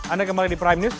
anda kembali di prime news